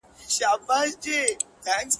خیر دی زما کور دې خدای وران کړي ستا دې کور جوړ سي